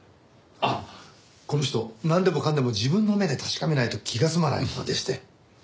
あっこの人なんでもかんでも自分の目で確かめないと気が済まないものでして。